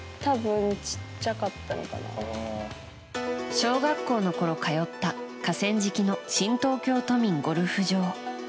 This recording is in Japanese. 小学校のころ通った河川敷の新東京都民ゴルフ場。